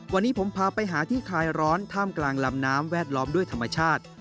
วันนี้ผมพาไปหาที่คลายร้อนท่ามกลางลำน้ำแวดล้อมด้วยธรรมชาติ